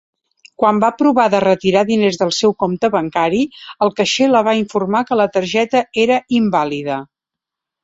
Quan va provar de retirar diners del seu compte bancari, el caixer la va informar que la targeta era invàlida.